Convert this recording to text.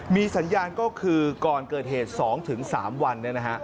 มีสัญญาณก็คือก่อนเกิดเหตุ๒๓วัน